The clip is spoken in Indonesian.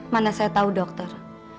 mana saya tahu dokter